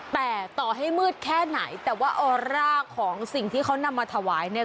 แต่ต่อให้มืดแค่ไหนแต่ว่าออร่าของสิ่งที่เขานำมาถวายเนี่ย